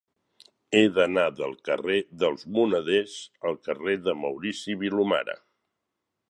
He d'anar del carrer dels Moneders al carrer de Maurici Vilomara.